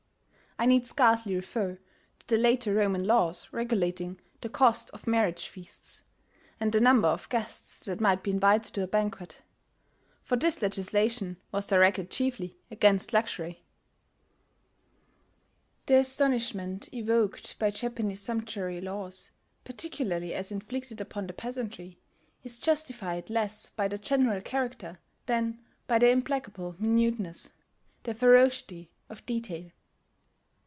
(I need scarcely refer to the later Roman laws regulating the cost of marriage feasts, and the number of guests that might be invited to a banquet; for this legislation was directed chiefly against luxury.) The astonishment evoked by Japanese sumptuary laws, particularly as inflicted upon the peasantry, is justified less by their general character than by their implacable minuteness, their ferocity of detail....